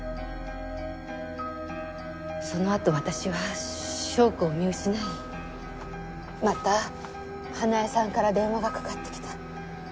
そのあと私は祥子を見失いまた花絵さんから電話がかかってきた。